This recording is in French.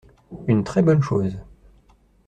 Une très bonne chose.